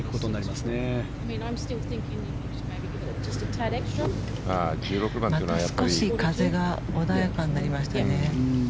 また少し風が穏やかになりましたね。